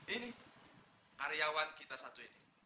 ini karyawan kita satu ini